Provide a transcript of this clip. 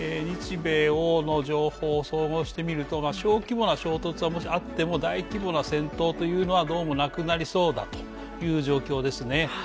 日米欧の情報を総合してみると小規模な衝突がもしあっても大規模な戦闘というのはどうもなくなりそうだという状況ですね。